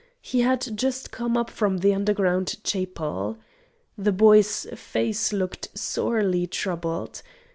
He had just come up from the underground "chapel." The boy's face looked sorely troubled.